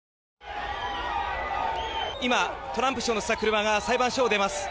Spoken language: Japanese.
今、トランプ氏を乗せた車が裁判所を出ます。